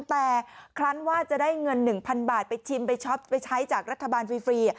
แต่คลั้นว่าจะได้เงิน๑๐๐๐บาทไปชิมไปช็อปไปใช้จากรัฐบาลฟรี